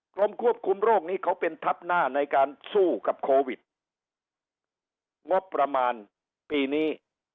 กรมควบคุมโรคนี้เขาเป็นทัพหน้าในการสู้กับโควิดงบประมาณปีนี้